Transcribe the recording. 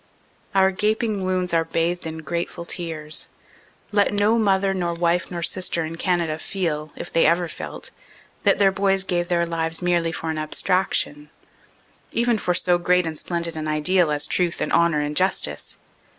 Our gaping wounds are bathed in grateful tears. Let no mother, nor wife nor sister in Canada feel if ever they felt that their boys gave their lives merely for an abstraction; even for so great and splendid an ideal as truth and honor and justice.